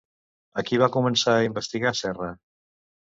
A qui va començar a investigar Serra?